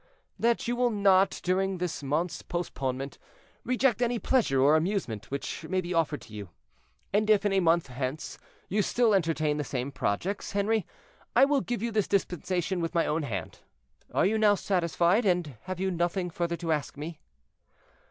"That you will not, during this month's postponement, reject any pleasure or amusement which may be offered to you; and if, in a month hence, you still entertain the same projects, Henri, I will give you this dispensation with my own hand. Are you satisfied now, and have you nothing further to ask me?"